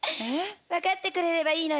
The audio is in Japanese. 分かってくれればいいのよ。